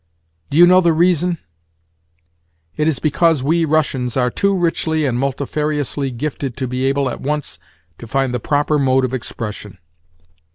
Do you know the reason? It is because we Russians are too richly and multifariously gifted to be able at once to find the proper mode of expression.